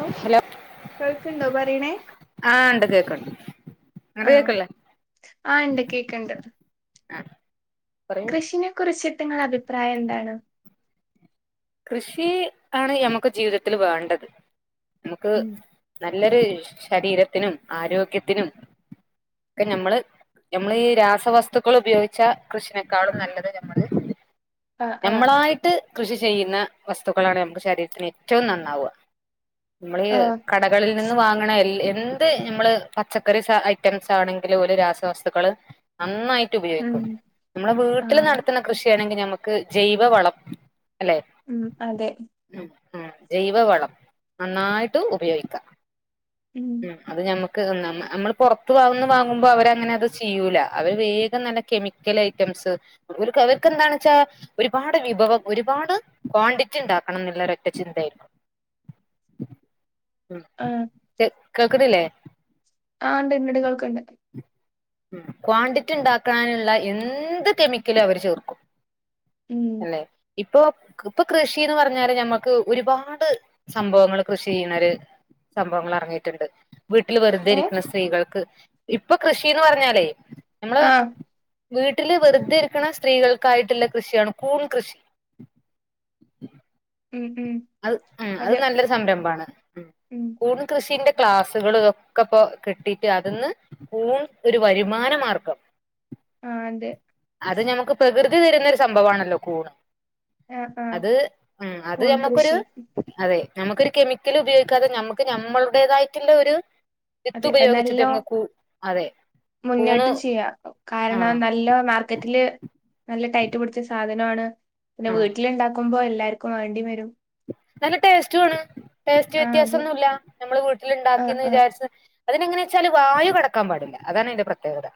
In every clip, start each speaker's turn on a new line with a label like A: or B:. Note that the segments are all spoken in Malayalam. A: ഔ
B: ഹലോ
A: കേക്കണ്‌ണ്ടോ പറയണേ
B: ആഹ് ഉണ്ട് കേക്കണ്ട് അങ്ങട്ട്
A: ആം
B: കേക്കണില്ലേ
A: ആ ഇണ്ട് കേക്കണ്ട്
B: ആഹ് പറയൂ
A: കൃഷിനെ കുറിച്ചിട്ട് നിങ്ങളെ അഭിപ്രായം എന്താണ്
B: കൃഷി ആണ് ഞമ്മക്ക് ജീവിതത്തിൽ വേണ്ടത് നമക്ക്
A: ഉം
B: നല്ലൊരു ശരീരത്തിനും ആരോഗ്യത്തിനും ഒക്കെ ഞമ്മള് നമ്മൾ ഈ രാസവസ്തുക്കൾ ഉപയോഗിച്ച കൃഷിനേക്കാളും നല്ലത് നമ്മള്
A: ആഹ് ആഹ്
B: നമ്മളായിട്ട് കൃഷി ചെയ്യ്ന്ന വസ്തുക്കളാണ് നമ്മുടെ ശരീരത്തിന് ഏറ്റവും നന്നാവുക. നമ്മള് ഈ
A: ആഹ്
B: കട കളിൽ നിന്ന് വാങ്ങണ എൽ എന്ത് നമ്മള് പച്ചക്കറി സാ ഐറ്റംസ് ആണെങ്കിലും ഒര് രാസവസ്തുക്കള് അന്നായി ട്ട്
A: ഉം
B: ഉപയോഗിക്കും നമ്മുടെ വീട്ടിൽ
A: ആണ്
B: നടത്തുന്ന കൃഷിയാണെങ്കിൽ ഞമുക്ക് ജൈവ വളം അല്ലെ
A: ഉം അതെ
B: ഉം ഉം ജൈവവളം നന്നായിട്ട് ഉപയോഗിക്കാം
A: ഉം
B: അത് ഞമ്മുക്ക് നമ നമ്മൾ പുറത്ത് വന്ന് വാങ്ങുമ്പോ അവരങ്ങനെ അത് ചെയ്യൂല അവര് വേഗം നല്ല കെമി ക്കല് ഐറ്റംസ് അവർക്ക് എന്താണ്‌ ച്ചാ ഒരുപാട് വിഭവം ഒരുപാട് ക്വാണ്ടിറ്റി ഉണ്ടാക്കണം എന്നുള്ളരൊറ്റ ചിന്തയായിരിക്കും ഉം
A: ആഹ്
B: കേ കേൾക്കണില്ലേ
A: ആാണ്ട് ണ്ട് കേൾക്കണ്ട്
B: ഉം ക്വാണ്ടിറ്റി ഇണ്ടാക്കാന്ള്ള എന്ത് കെമിക്കലും അവര് ചേർക്കും
A: ഉം
B: അല്ലെ ഇപ്പൊ ഇപ്പൊ കൃഷിന്ന് പറഞ്ഞാല് ഞമ്മക്ക് ഒരുപാട് സംഭവങ്ങൾ കൃഷി ചെയ്യുന്നര് സംഭവങ്ങൾ ഇറങ്ങിയിട്ടുണ്ട് വീട്ടിൽ വെറുതെ
A: ഏഹ്
B: ഇരിക്ക്‌ന്ന സ്ത്രീകൾക്ക് ഇപ്പൊ കൃഷിന്ന് പറഞ്ഞാലേ ഞമ്മള്
A: ആഹ്
B: വീട്ടില് വെറുതെ ഇരിക്ക്‌ണ സ്ത്രീകൾക്കായിട്ടുള്ള കൃഷിയാണ് കൂൺ കൃഷി
A: ഉം ഉം
B: അത് ഉം അത്
A: അതെ
B: നല്ലൊരു സംരംഭമാണ് ഉം കൂടു കൃഷിന്റെ ക്ലാസ്സുകൾ ഒക്കെ ഇപ്പോ കിട്ടിട്ട് അതിന്ന് കൂൺ ഒരു വരുമാന മാർഗം
A: അതെ
B: അത് ഞമുക്ക് പ്രകൃതി തരുന്ന ഒരു സംഭവമാണല്ലോ കൂൺ
A: ആഹ് ആഹ്
B: അത് ഉം അത്
A: കൂൺ
B: ഞമ്മക്കൊരു
A: കൃഷി
B: അതെ ഞമക്കൊരു കെമിക്കൽ ഉപയോഗിക്കാതെ ഞമ്മുക്ക് ഞമ്മളുടേതായിട്ടുള്ള ഒരു
A: അത്
B: വിത്ത് ഉപയോഗിച്ചിട്ട്
A: നല്ലോ
B: നമ്മക്ക് കൂ അതെ കൂണ്
A: മുന്നോട്ട് ചെയ്യുക
B: ആഹ്
A: കാരണം നല് ലൊ മാർക്കറ്റില് നല്ല ടൈറ്റ് പിടിച്ച സാധനമാണ് പിന്നെ
B: ആഹ്
A: വീട്ടിലുണ്ടാക്കുമ്പോ എല്ലാവർക്കും വേണ്ടി വരും
B: നല്ല ടേസ്റ്റുവാണ്‌ ടേസ്റ്റ്
A: ആഹ്
B: വ്യത്യാസം
A: അതെ
B: ഒന്നുവില്ല നമ്മള് വീട്ടില്
A: ആഹ്
B: ഇണ്ടാക്കിന്ന്
A: ആഹ്
B: വിചാരിച്ച് അതിനെങ്ങനെയച്ചാല് വായു കടക്കാൻ പാടില്ല അതാണ്തിന്റെ പ്രത്യേകത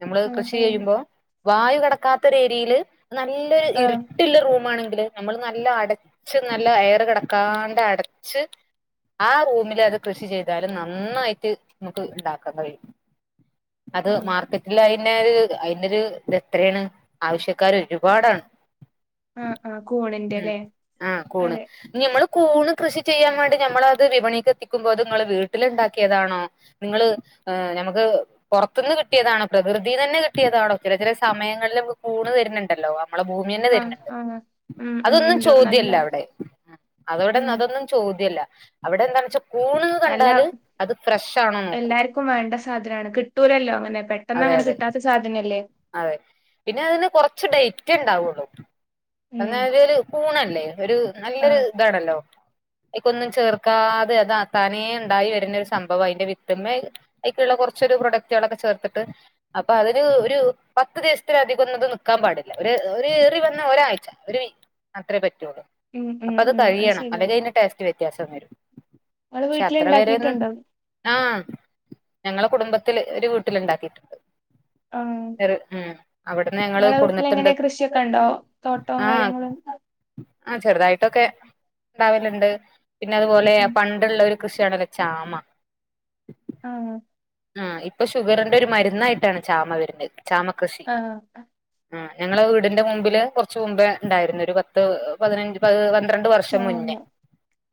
B: നമ്മള്
A: ആഹ്
B: കൃഷി
A: ആഹ്
B: ചെയ്യൂമ്പോ വായു കടക്കാത്ത ഒരു ഏരിയയില് നല്ലൊരു ഇരു
A: ആഹ്
B: ട്ടുള്ള റൂ ആണെങ്കില് നമ്മള് നല്ല അടച്ച് നല്ല എയർ കടക്കാണ്ട് അടച്ച് ആ റൂമില് അത് കൃഷി ചെയ്താലും നന്നായിട്ട് നമുക്ക് ഉണ്ടാക്കാൻ കഴിയും അത്
A: ആഹ്
B: മാർക്കറ്റില് അയിന് ഒരു അയിന്റെ ഒരു ഇത് എത്രയാണ് ആവശ്യക്കർ ഒരുപാടാണ്
A: ആഹ് ആ കൂണി
B: ഉം ആഹ് കൂണ് നമ്മള് കൂണ് കൃഷി ചെയ്യാൻ വേണ്ടി ഞമ്മളത് വിപണിക്ക് എത്തിക്കുമ്പോ അത് നിങ്ങള് വീട്ടിലുണ്ടാക്കിയതാണോ നിങ്ങള് ഞമ്മക്ക് പുറത്തുന്ന് കിട്ടിയതാണോ പ്രകൃതി തന്നെ കിട്ടിയതാണോ ചില ചില സമയങ്ങളിൽ നമുക്ക് കൂണ് തരുന്നുണ്ടല്ലോ നമ്മളെ ഭൂ
A: ആഹ് ആണ
B: അതൊന്നും ചോദ്യയല്ല അവിടെ അതവിടെന്ന്
A: ഉം
B: അതൊന്നും ചോദ്യല്ല അവിടെ എന്താണ് വെച്ചാ കൂണ്ന്ന് കണ്ടാല് അത് ഫ്രഷ് ആണോ നോക്കും
A: ഇപ്പം വേണ്ട സാധനാണ് കിട്ടൂലല്ലോ ങ്ങനെ പെട്ടന്ന്
B: അതെ
A: അങ്ങനെ
B: അതെ
A: കിട്ടാത്ത സാധനല്ലേ
B: അതെ പിന്നെ അതിന് കൊർച്ച് ഡൈറ്റ് ഇണ്ടാവൊള്ളൂ.
A: ഉം
B: [unintelligible] കൂണല്ലേ ഒരു നല്ലൊരു
A: ആഹ്
B: ഇതാണല്ലോ. അയിക്കൊന്നും ചേർക്കാതെ അത് താനേ ഇണ്ടായി വരുന്ന ഒരു സംഭവഅയിന്റെ വിത്ത്മ്മെ അയ്ക്ക്‌ള്ള കൊർച്ചരു പ്രൊഡക്റ്റുകളൊക്കെ ചേർത്ത്ട്ട് അപ്പൊ അതിന് ഒര് പത്ത് ദിവസത്തില അധികൊന്നും ഇത് നിക്കാം പാടില്ല ഒരു ഒരു ഏറി വന്ന ഒരാഴ്ച ഒര് അത്രേ പറ്റുള്ളൂ
A: ഉം ഉം
B: അപ്പ അത്
A: ഉം
B: കഴിയണം
A: ശരിയാ
B: അല്ലെങ്കി അയിന്റെ ടേസ്റ്റ് വ്യത്യാസം വരും.
A: ഇങ്ങള്
B: പക്ഷെ
A: വീട്ടില്
B: അത്ര വരെന്ന്
A: ഇണ്ടാക്കിട്ടുണ്ടോ
B: ആ ഞങ്ങളെ കുടുംബത്തില് ഒരു വീട്ടില് ഇണ്ടാക്കിട്ട്
A: ആഹ്
B: ചെറ് ഉം അവട്ന്ന് ഞങ്ങള്
A: ഇങ്ങളെ വീട്ടിലെങ്ങനെ
B: കൊട്ന്ന്ട്ട്ണ്ട്
A: കൃഷിയൊക്കെ ഉണ്ടോ തോട്ടവും
B: ആ
A: കാര്യങ്ങളും
B: ആ ചെറ്തായിട്ടൊക്കെ ഇണ്ടാവല്ണ്ട് പിന്നെ അതുപോലെ
A: ഉം
B: പണ്ടുള്ളരു കൃഷിയാണല്ലോ ചാമ
A: ആഹ്
B: ആ ഇപ്പൊ ഷുഗറിന്റെ ഒരു മര്ന്നായിട്ടാണ് ചാമ വരുന്ന ചാമ കൃഷി.
A: ആഹ്
B: ആ ഞങ്ങളെ വീട്ന്റെ മുമ്പില് കൊർച്ച്‌ മുമ്പ് ണ്ടായിരുന്നു ഒരു പത്ത് പതിനഞ്ച് പ പന്ത്രണ്ട് വർഷം മുന്നേ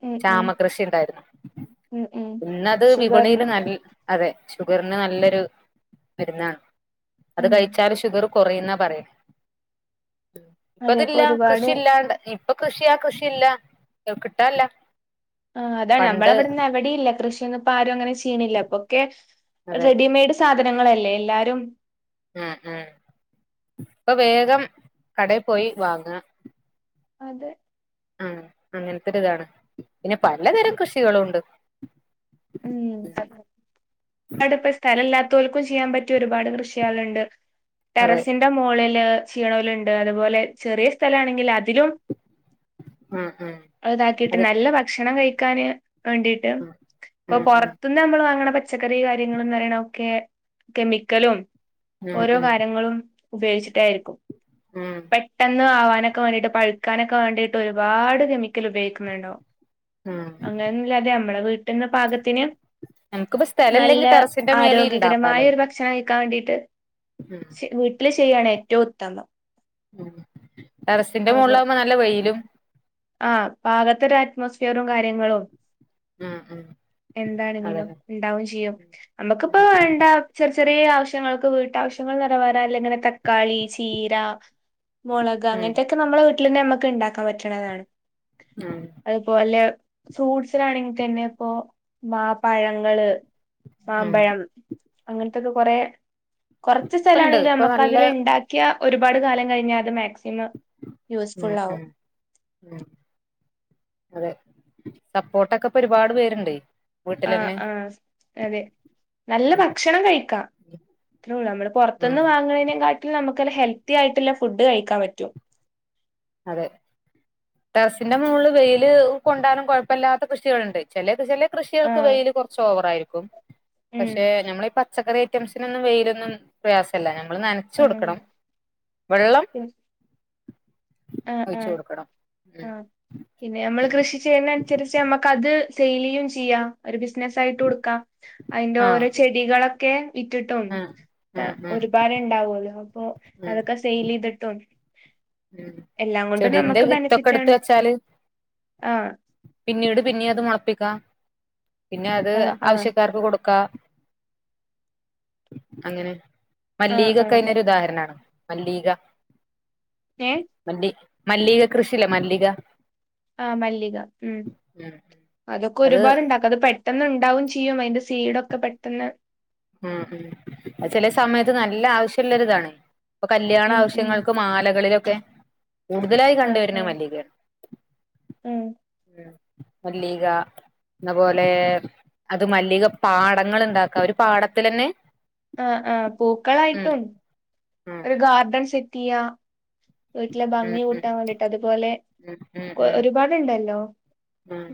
A: ഉം ഉം
B: ചാമകൃഷി ഇണ്ടായിരുന്നു.
A: ഉം ഉം
B: ഇന്നത് വിപണിയില്
A: ഷുഗറിന്
B: നൽ അതെ ഷുഗറ്ന് നല്ലൊരു മരുന്നാണ് അത്
A: ഉം
B: കഴിച്ചാല് ഷുഗർ കൊറയുന്നാ പറയല്
A: അതെ ഇപ്പൊ
B: ഇപ്പതില്ല
A: ഒരുപാട്
B: കൃഷില്ലാണ്ട് ഇപ്പൊ കൃഷിയാ കൃഷി ഇല്ല കിട്ടാല്ല.
A: ആ അതാണ്
B: പണ്ട്
A: നമ്മളവിട്ന്ന് എവടിയില്ല കൃഷിയൊന്നു ഇപ്പ ആരും അങ്ങനെ ചെയ്യ്ണില്ല ഇപ്പൊക്കെ
B: അതെ
A: റെഡിമെയ്ഡ് സാധനങ്ങളല്ലേ എല്ലാരും.
B: ഉം ഉം ഇപ്പൊ വേഗം കടെ പോയി വാങ്ങ
A: അതെ
B: ഉം അങ്ങൻത്തൊരുതാണ് പിന്നെ പലതരം കൃഷികളുണ്ട്.
A: ഉം പ്പ സ്ഥലല്ലാത്തൊൽക്കും ചെയ്യാൻ പറ്റിയ ഒരുപാട് കൃഷിയള്ണ്ട്
B: അതെ
A: ടെറസിൻ സിന്റ മോളില് ചെയ്യ്ണോല്ണ്ട് അതുപോലെ ചെറിയ സ്ഥല ആണെങ്കിൽ അതിലും
B: ഉം ഉം
A: അഹ് ഇതാക്കിയിട്ട്
B: അത്
A: നല്ല ഭക്ഷണം കഴിക്കാന് വേണ്ടിയിട്ട്
B: ഉം
A: ഇപ്പൊ
B: ഉം
A: പൊർത്ത്ന്ന് നമ്മള് വാങ്ങണ പച്ചക്കറി കാര്യങ്ങളുംന്ന് പറയണ ഒക്കെ കെമിക്കലും
B: ഉം ഉം
A: ഓരോ
B: ഉം
A: കാര്യങ്ങളും ഉപയോഗിച്ചിട്ടായിരിക്കും.
B: ഉം
A: പെട്ടെന്ന് ആവാനൊക്കെ വേണ്ടിട്ട് പഴുക്കാനൊക്കെ വേണ്ടിട്ട് ഒരുപാട് കെമിക്കല് ഉപയോഗിക്കുന്നുണ്ടോ
B: ഉം
A: അങ്ങനെന്നില്ലാതെ നമ്മളെ വീട്ട്ന്ന് പാകത്തിന്
B: നമുക്കിപ്പ സ്ഥലം
A: നല്ല
B: ഇല്ലെങ്കി ടെറസിന്റെ മേലെ
A: ആരോഗ്യകരമായ
B: ഇണ്ടാക്കാലോ
A: ഒരു ഭ ഭക്ഷണം കഴിക്കാൻ വേണ്ടിട്ട്
B: ഉം
A: വീട്ടില് ചെയ്യാണ് ഏറ്റവും ഉത്തമം.
B: ഉം ടെറസിന്റെ മോൾലാവുമ്പോ നല്ല വെയിലും
A: ആ പാകത്തരു അറ്റ്മോസ്ഫിയറും കാര്യങ്ങളും
B: ഉം ഉം
A: എന്താണങ്കിലും
B: അതന്നെ
A: ണ്ടാവും ചെയ്യും നമ്മക്ക്‌പ്പൊ
B: ഉം
A: വേണ്ട ചെർ ചെറിയ ആവശ്യങ്ങൾക്ക് വീട്ടാവശ്യങ്ങൾ നിറവെറാനുള്ള അങ്ങനെ തക്കാളി ചീര മൊളക്
B: ഉം
A: അങ്ങൻത്തെക്കെ നമ്മളെ വീട്ടിലന്നെ നമ്മുക്ക് ഇണ്ടാക്കാൻ പറ്റ്ണതാണ്.
B: ഉം
A: അതുപോലെ ഫ്രൂട്ട്സിലാണെങ്കി തന്നെ പ്പോ മാ പഴങ്ങള്
B: ഉം
A: മാമ്പഴം അങ്ങൻത്തൊക്കെ കൊറെ കൊർച്ച് സ്ഥല
B: ഇപ്പണ്ട്
A: ആണെങ്കിലും
B: ഇപ്പൊ
A: നമ്മക്ക്
B: നല്ല
A: അതില് ഇണ്ടാ ക്യാ ഒരുപാട് കാലം കഴിഞ്ഞാലും മാക്സിമം
B: ഉം
A: യൂസ്ഫുൾ ആവും
B: ഉം ഉം അതെ സപ്പോട്ടൊക്കെ ഇപ്പോ ഒരുപാട് പേര്ണ്ട്.
A: ആ ആ അതെ നല്ല
B: ഉം
A: ഭക്ഷണം കഴിക്കാ നമ്മള് പൊർത്ത്ന്ന്
B: ഉം
A: വാങ്ങണതിനേക്കാട്ടില് നമുക്ക്‌ നല്ല ഹെൽത്തി ആയിട്ട്ള്ള ഫുഡ് കഴിക്കാൻ പറ്റും.
B: അതെ ടറസിന്റെ മോളില് വെയില് കൊണ്ടാനും കൊഴപ്പ ലാത്ത കൃഷികളുണ്ട് ചെ ലെ കൃഷി ല് കൃഷികൾക്ക്
A: ആഹ്
B: വെയില് കൊറച്ച് ഓവറായിരിക്കും
A: ഉം
B: പക്ഷെ ഞമ്മളി പ ച്ചക്കറി ഐറ്റംസിനൊന്നും വെയിലൊന്നും പ്രയാസല്ല ഞമ്മള്
A: ഉം
B: നനച്ചൊടുക്കണം വെള്ളം
A: ഉം
B: ഒയിച്ചു കൊടുക്കണം ഉം
A: ആഹ് പിന്നെയമ്മള് കൃഷി ചെയ്യുന്ന അനുസരിച്ചമ്മക്കത് സെയില് ചെയ്യും ചെയ്യാം ഒരു ബിസിനസായിട്ടുടുക്കാം
B: ആഹ്
A: അയിന്റോരോ ചെടികളെക്കെ വിറ്റിട്ടും
B: ആഹ് ഉം ഉം
A: ഒരുപാടിണ്ടാവോല്ലോ
B: ഉം
A: അതൊക്കെ സെയില് ചെയ്തിട്ടും
B: ഉം
A: എല്ലാം കൊണ്ടും
B: ചെടീന്റെ
A: നമുക്ക് ബെനിഫിറ്റ് ആണ്
B: വിത്തൊക്കെട്ത്ത് വെച്ചാല്
A: ആഹ്
B: പിന്നീട് പിന്നിയത് മുളപ്പിക്കാം പിന്നെ അത്
A: ആഹ് ആഹ്
B: ആവശ്യക്കാർക്ക് കൊടുക്ക അങ്ങനെ
A: ആഹ് ആഹ്
B: മല്ലീകക്കൈനൊരു ദാഹരണാണ് മല്ലീക
A: ഏഹ്
B: മല്ലി മല്ലീകകൃഷീലെ മല്ലിക
A: ആ മല്ലിക ഉം
B: ഉം
A: അതൊക്കെ
B: അത്
A: ഒരുപാട്ണ്ടാക്ക അത് പെ ട്ടെന്ന്ണ്ടാവും ചെയ്യും അയിന്റെ സീടൊക്കെ പെട്ടെന്ന്
B: ഉം ഉം അഹ്ചെല സമയത്ത് നല്ല ആവശ്യള്ള രിതാണ് പ്പൊ കല്യാണ
A: ഉം ഉം
B: ആവശ്യങ്ങൾക്ക് മാലകളിലൊക്കെ കൂടുതലായി കണ്ട്
A: ആഹ്
B: വര്ന്നെ
A: ആഹ്
B: മല്ലികയാണ്
A: ഉം
B: മല്ലീക ന്നപോലെ അത് മല്ലികപ്പാടങ്ങള് ണ്ടാക്കവര് പാടത്തിലന്നെ
A: ആഹ്ആഹ്
B: ഉം
A: പൂക്കളായിട്ടും
B: ഉം
A: ഒരു ഗാർഡൻ സെറ്റിയ്യാ. വീട്ടിലെ
B: ഉം
A: ഭംഗി
B: ഉം
A: കൂട്ടാൻ വേണ്ടിട്ട് അതുപോലെ
B: ഉം ഉം
A: കൊ
B: ഉം
A: ഒരുപാടുണ്ടല്ലോ
B: ഉം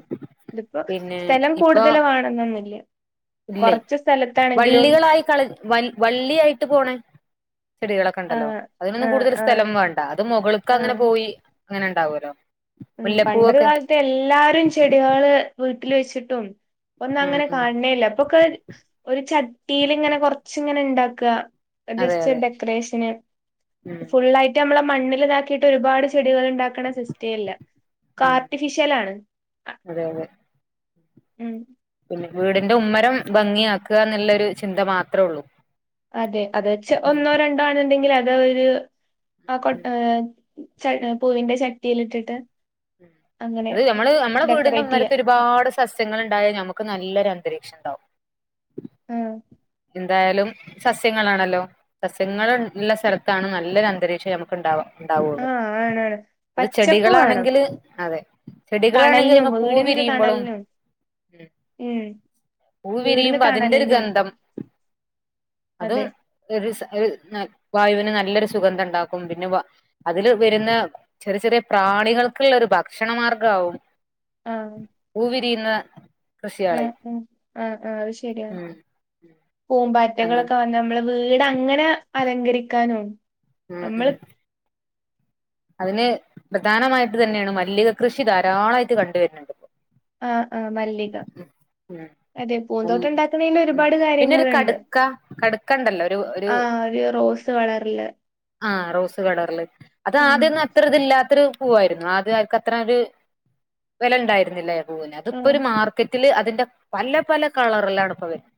A: ഇതിപ്പൊ
B: പിന്നെ
A: സ്ഥലം
B: ഇപ്പൊ
A: കൂടുതൽവേണോന്നൊന്നില്ല കൊറച്ച് സ്ഥലത്താണെങ്കിലും
B: കള് വൽ വള്ളിയായിട്ട് പോണേ ചെടികളൊക്കെണ്ടല്ലോ
A: ആഹ്
B: അതിനൊന്നും
A: ആഹ്
B: കൂടുതൽ
A: ആഹ്
B: സ്ഥലം വേണ്ട അത് മുകളി ക്ക് അങ്ങനെ
A: ആഹ്
B: പോയി അങ്ങനെണ്ടാവുല്ലോ
A: ഉം പണ്ടൊരു കാലത്ത് എല്ലാരും ചെടികള് വീട്ടില് വെച്ചിട്ടും
B: ഉം ഉം
A: ഒന്നങ്ങനെകാണ് ണേയില്ല ഇപൊക്കെ ഒരു ചട്ടീലിങ്ങനെ കൊറച്ചിങ്ങനെ ഇണ്ടാക്ക അ
B: അതെ
A: ജസ്റ്റ്
B: അതെ
A: ഡെക്കറേഷന്
B: ഉം
A: ഫുള്ളായിട്ടമ്മളെ മണ്ണില്താക്കീട്ട് ഒരുപാട് ചെടികള്ണ്ടാക്കണ സിസ്റ്റേ യല്ല
B: ഉം
A: കാർട്ടിഫിഷലാണ്
B: അതെ അതെ
A: ഉം
B: പിന്നെ വീടിന്റെ ഉമ്മരം ഭംഗിയാക്ക്ക എന്നുള്ള ഒരു ചിന്ത മാത്രള്ളൂ
A: അതെ അത് വെച്ച് ഒന്നോ രണ്ടോ ആന്ന് ണ്ടെങ്കിൽ അത് ഒരു ആ കൊ
B: ഉം
A: ചട് പൂവിന്റെ ചട്ടിയിലിട്ടിട്ട്
B: ഉം
A: അങ്ങനെ
B: അത് ഞമ്മള് അമ്മളെ വീടിന്റെ
A: ഡെക്കറേറ്റ്
B: ഉമ്മ
A: ചെയ്യ
B: രത്ത് ഒരുപാട് സസ്യങ്ങള്ണ്ടായൽ ഞമ്മക്ക് നല്ലൊരന്തരീക്ഷണ്ടാവും
A: മ്
B: എന്തായാലും സസ്യങ്ങളാണല്ലോ സസ്യങ്ങള് ള്ള സ്ഥലത്താണ് നല്ലൊരു അന്തരീക്ഷം നമുക്ക് ഉണ്ടാവ ണ്ടാവുള്
A: ആഹ് ആണാണ്
B: അത്
A: പച്ചപ്പ് വേണം
B: ചെടികളാണെങ്കില് അതെ ചെടികളാണെങ്കി
A: തണലിനും
B: അയ്മ
A: വീടിനൊരു
B: പൂവിരിയുമ്പളും
A: തണലിനും
B: ഉം
A: ഉം
B: പൂ
A: വീടിന്ന്
B: വിരിയുമ്പ
A: കാണലെന്നെയുണ്ട്
B: അതിന്റെരുഗന്ധം അതും
A: അതെ
B: ഒരിസ് ഒര് ന വായുവിന് നല്ലൊരു സുഗന്ധണ്ടാക്കും പിന്നെവാ അതില് വെരുന്ന ചെറിചെറിയ പ്രാണികൾക്ക്ള്ള ഒര് ഭക്ഷണ മാർഗ്ഗാ വും
A: ആഹ്
B: പൂവിരിയുന്ന കൃഷിയോളെ
A: ആഹ് ആഹ്
B: ഉം അങ്ങനെ
A: പൂമ്പാറ്റകളക്കെ വന്ന് ഞമ്മളവീടങ്ങനെ അലങ്കരിക്കാനും
B: ഉം ഉം
A: നമ്മള്
B: അതിന് പ്രധാനമായിട്ട് തന്നെയാണ് മല്ലിക കൃഷിധാരാളായിട്ട് കണ്ട് വര്ന്‌ ണ്ട്
A: ആഹ് ആഹ് മല്ലിക
B: ഉം
A: അതെ
B: മല്ലി
A: പൂന്തോട്ടണ്ടാക്കണേന്
B: ഉം
A: ഒരുപാട്
B: പിന്നെ ഒരു
A: കാര്യങ്ങള്ണ്ട്
B: കടുക്ക കടുക്ക ഉണ്ടല്ലോ ഒരു
A: ആ ഒരു റോസ് കളറിൽ
B: ആഹ് റോസ് കളറില് അത്
A: ഉം
B: ആദ്യം നട്ട അത്ര ഇത് ഇല്ലാത്തൊരു പൂവായിരുന്നു അത് അവർക്ക് അത്ര ഒരു വില ഉണ്ടായിരുന്നില്ല ആ പൂവിന് ഇപ്പൊ
A: ഉം
B: ഒരു മാർക്കറ്റില് അതിന്റെ പല പല കളറിലാണ് ഇപ്പൊ വരുന്നത്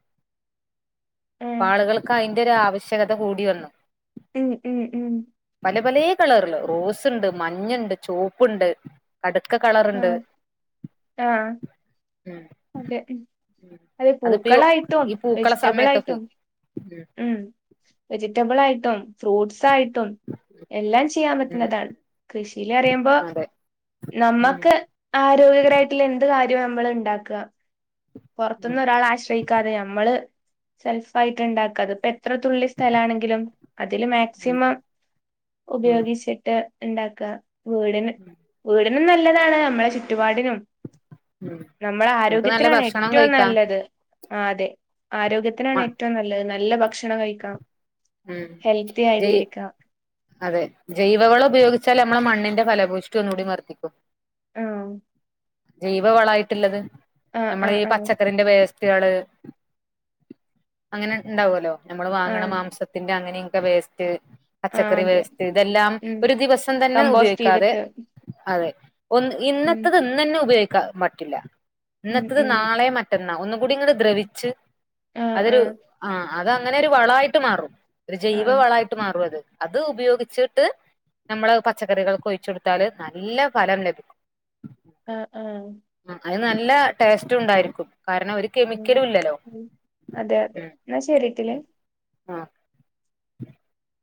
B: ഇപ്പ
A: ഉം
B: ആളുകൾക്ക് അതിന്റെ ഒരു ആവശ്യകത കൂടി വന്നു
A: ഉം ഉം ഉം
B: പല പല കളറില് റോസ് ഉണ്ട് മഞ്ഞയുണ്ട് ചുവപ്പുണ്ട് കടുക്ക കളറുണ്ട്
A: ആഹ് ആഹ്
B: ഉം
A: അതെ ഉം
B: ഉം
A: അതെ
B: അതിപ്പോ ഈ
A: പൂക്കളായിട്ടും
B: ഈ പൂക്കള
A: വെജിറ്റബിൾ
B: സമയത്തൊക്കെ
A: ആയിട്ടും ഉം വെജിറ്റബിൾ ആയിട്ടും ഫ്രൂട്ട്സ് ആയിട്ടും എല്ലാം ചെയ്യാൻ
B: ഉം
A: പറ്റുന്നതാണ്
B: ഉം
A: കൃഷിയില് അറിയുമ്പോ
B: അതെ ഉം
A: നമ്മക്ക് ആരോഗ്യകരമായിട്ടുള്ള എന്ത് കാര്യവും നമ്മൾ ഉണ്ടാക്കുക
B: ഉം
A: പുറത്തൊന്നും ഒരാൾ ആശ്രയിക്കാതെ നമ്മള് സെൽഫ് ആയിട്ട് ഉണ്ടാക്കാ അതിപ്പോ എത്ര എത്രത്തുള്ളി സ്ഥലമാണെങ്കിലും അതില്
B: ഉം
A: മാക്സിമം
B: ഉം ഉം
A: ഉപയോഗിച്ചിട്ട് ഉണ്ടാക്കുക വീടന്
B: ഉം
A: വീടിനും നല്ലതാണ് നമ്മളെ ചുറ്റുപാടിനും നമ്മള
B: നമുക്ക് നല്ല
A: ആരോഗ്യത്തിനാണ്
B: ഭക്ഷണം കഴിക്കാം
A: ആഹ് അതെ ആരോഗ്യത്തിനാണ് ഏറ്റവും നല്ലത് നല്ല ഭക്ഷണം കഴിക്കണം
B: ഉം ജെയ് അതെ ജൈവവളം ഉപയോഗിച്ചാൽ നമ്മെളെ മണ്ണിന്റെ ഫലഭൂഷ്ടി ഒന്നുകൂടി വർദ്ദിക്കും
A: ആഹ്
B: ജൈവ വളമായിട്ടുള്ളത്
A: ആ ആ
B: നമ്മളെ ഈ
A: ആ
B: പച്ചക്കറിന്റെ വേസ്റ്റ് വേസ്റ്റുകള് അങ്ങനെ ഉണ്ടാവല്ലോ നമ്മള്
A: ആ
B: വാങ്ങണ മാംസ ത്തിന്റെ അങ്ങനെയൊക്കെ വേസ്റ്റ്
A: ആ
B: പച്ചക്കറി
A: അതെ
B: വേസ്റ്റ് ഇതെല്ലാം
A: ഉം
B: ഒരു ദിവസം തന്നെ
A: കമ്പോസ്റ്റ്
B: ഉപയോഗിക്കാതെ
A: ചെയ്തിട്ട്
B: അതെ ഒന്ന്
A: ഉം
B: ഇന്നത്തത് ഇന്ന് തന്നെ ഉപയോഗിക്കാൻ പറ്റില്ല
A: ഉം
B: ഇന്നത്തത്
A: ഉം
B: നാളെ മറ്റനാ ളും ഒന്നു കൂടി ഇങ്ങ്ട് ദ്രവിച്ച്
A: ആ ആ
B: അതൊരു ആഹ് അത് അങ്ങനെ ഒരു വളമായിട്ട് മാറും ഒരു ജൈവ
A: ആ
B: വളമായിട്ട് മാറും അത് അത് ഉപയോഗിച്ചിട്ട് നമ്മള് പച്ചക്കറികൾക്ക് ഒഴിച്ചു കൊടുത്താല് നല്ല ഫലം ലഭിക്കും
A: ആഹ്ആഹ്
B: ആഹ് അത് നല്ല ടേസ്റ്റും ഉണ്ടായിരിക്കും കാരണം ഒരു
A: ഉം
B: കെമിക്കലും ഇല്ലല്ലോ
A: ഉം അതെ അതെ
B: ആഹ്
A: എന്നാ ശരിട്ടിലെ
B: ഉം ഉം ആഹ് [inaudible]